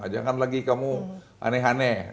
jangan lagi kamu aneh aneh